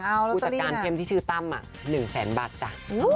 ผู้จัดการเข้มที่ชื่อตั้ม๑แสนบาทจ้ะ